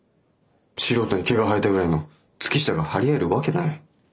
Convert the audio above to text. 素人に毛が生えたぐらいの月下が張り合えるわけない。